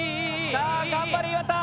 さあ頑張れ岩田。